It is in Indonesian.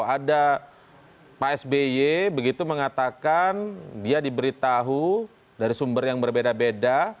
ada pak sby begitu mengatakan dia diberitahu dari sumber yang berbeda beda